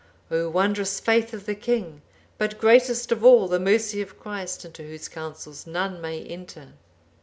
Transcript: O wondrous faith of the king, but greatest of all the mercy of Christ, into whose counsels none may enter!